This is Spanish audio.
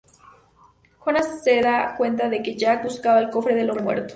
Jones se da cuenta de que Jack busca el Cofre del Hombre Muerto.